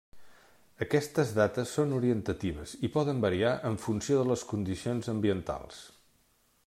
Aquestes dates són orientatives i poden variar en funció de les condicions ambientals.